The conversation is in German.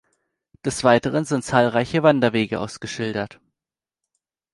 Des Weiteren sind zahlreiche Wanderwege ausgeschildert.